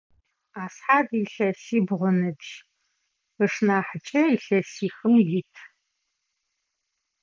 Асхьад илъэсибгъу ыныбжь, ышнахьыкӏэ илъэсихым ит.